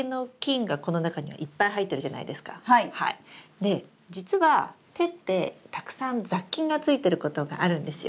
で実は手ってたくさん雑菌がついてることがあるんですよ。